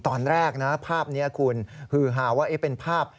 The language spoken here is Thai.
ตอนแรกนะภาพนี้คุณฮือหาว่าเป็นภาพ